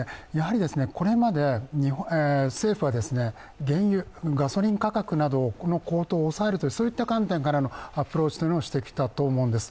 これまで政府は原油、ガソリン価格の高騰を抑えると、そういった観点からのアプローチをしてきたと思うんです。